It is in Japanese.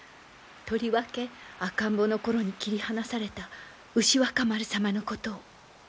とりわけ赤ん坊の頃に切り離された牛若丸様のことを。